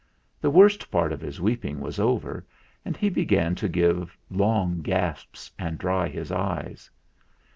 The worst part of his weeping was over and he be gan to give long gasps and dry his eyes.